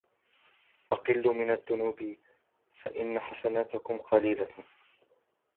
أَقِلُّوا مِنْ الذُّنُوبِ فَإِنَّ حَسَنَاتِكُمْ قَلِيلَةٌ